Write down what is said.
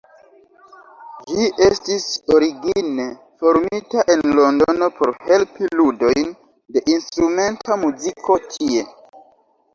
Ĝi estis origine formita en Londono por helpi ludojn de instrumenta muziko tie.